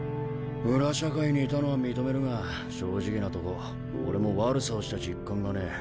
裏社会にいたのは認めるが正直なとこ俺も悪さをした実感がねえ。